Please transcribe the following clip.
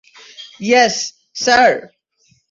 Yes, sir.